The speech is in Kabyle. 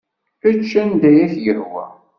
Ečč anda ay ak-yehwa.